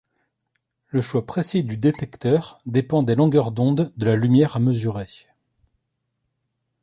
Le choix précis du détecteur dépend des longueurs d'onde de la lumière à mesurer.